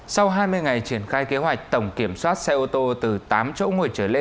sau hai mươi ngày triển khai kế hoạch tổng kiểm soát xe ô tô từ tám chỗ ngồi chở